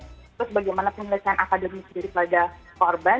terus bagaimana penelitian akademis dari pelajar korban